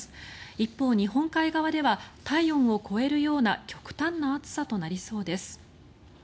一方、日本海側では体温を超えるような極端な暑さとなりそうです。